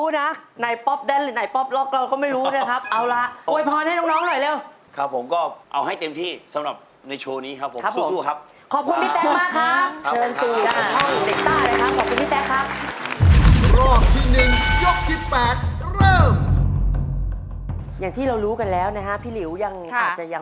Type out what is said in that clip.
อย่างที่เรารู้กันแล้วนะฮะพี่ริ้วยังอาจจะยังเพิ่งมาในวันนี้นะ